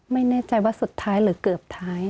ไม่แน่ใจว่าสุดท้ายหรือเกือบท้าย